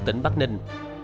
tỉnh bắc ninh